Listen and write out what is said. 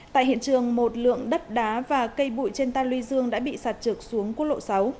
tại hiện trường một lượng đất đá và cây bụi trên ta lưu dương đã bị sạt trượt xuống quốc lộ sáu